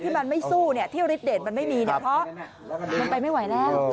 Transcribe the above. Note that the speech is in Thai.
ที่มันไม่สู้เนี่ยที่วิทเดสมันไม่มีเนี่ย